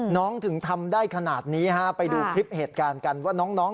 ถึงทำได้ขนาดนี้ฮะไปดูคลิปเหตุการณ์กันว่าน้อง